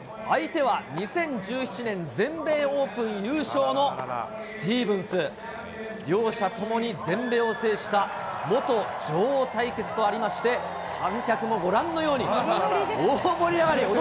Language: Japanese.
相手は２０１７年、全米オープン優勝のスティーブンス。両者ともに全米を制した元女王対決とありまして、観客もご覧のように、大盛り上がり。